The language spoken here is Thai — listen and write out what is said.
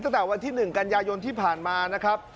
ตั้งแต่วันที่หนึ่งกัญญาณที่ผ่านมานะครับ